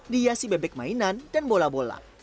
dihiasi bebek mainan dan bola bola